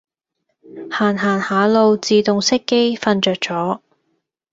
行行下路自動熄機瞓著咗